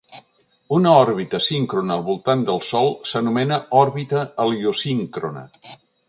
Una òrbita síncrona al voltant del Sol s'anomena òrbita heliosíncrona.